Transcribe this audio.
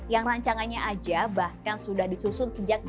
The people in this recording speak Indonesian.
yang rancangannya aja bahkan sudah disusun sejak dua ribu sembilan belas